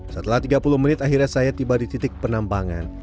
setelah tiga puluh menit akhirnya saya tiba di titik penambangan